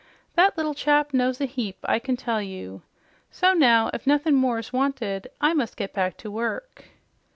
That little chap knows a heap, I can tell you. So now, if nothin' more's wanted, I must get back to work."